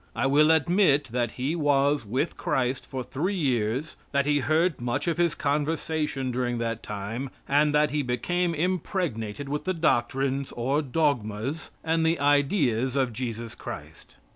I will admit that he was with Christ for three years, that he heard much of His conversation during that time and that he became impregnated with the doctrines, or dogmas, and the ideas of Jesus Christ.